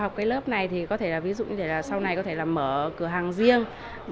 học cái lớp này thì có thể là ví dụ như là sau này có thể là mở cửa hàng riêng